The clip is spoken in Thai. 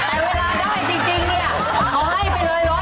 แต่เวลาได้จริงเนี่ยเขาให้ไปเลยเหรอ